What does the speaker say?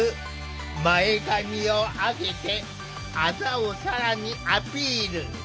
前髪を上げてあざを更にアピール。